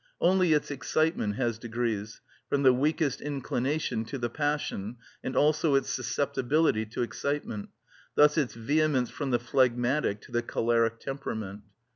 Only its excitement has degrees, from the weakest inclination to the passion, and also its susceptibility to excitement, thus its vehemence from the phlegmatic to the choleric temperament.